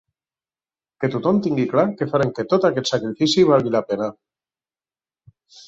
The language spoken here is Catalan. Que tothom tingui clar que farem que tot aquest sacrifici valgui la pena.